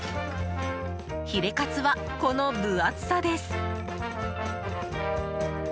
ヒレカツはこの分厚さです！